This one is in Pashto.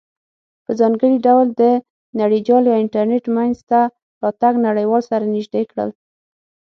په ځانګړې ډول د نړیجال یا انټرنیټ مینځ ته راتګ نړیوال سره نزدې کړل.